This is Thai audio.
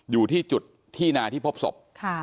อยู่ที่จุดที่นาที่พบศพ